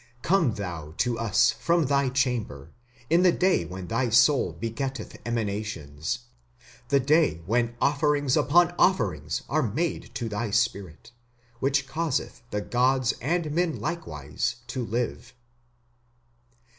Come thou to us from thy chamber, in the day when thy soul begetteth emanations, The day when offerings upon offerings are made to thy spirit, which causeth the gods and men likewise to live.